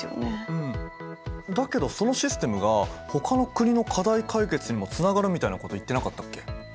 だけどそのシステムがほかの国の課題解決にもつながるみたいなこと言ってなかったっけ？